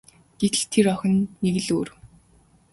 Гэтэл тэр охин нэг л өөр.